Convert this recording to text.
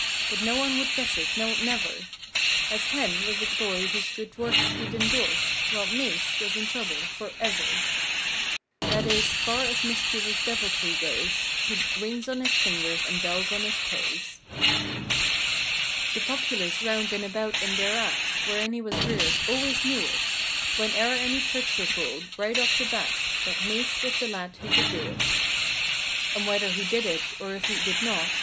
But no one would guess it, no, never; As "Hen" was a boy whose good works we'd endorse While "Mase" was in trouble, forever. That is, far as mischievous deviltry goes He'd "rings on his fingers and bells on his toes." The populace 'round and about and thereat. Wherein he was reared, always knew it. When e'er any tricks were pulled, right off the bat. That "Mase" was the lad who could do it. And whether he did it, or if he did not.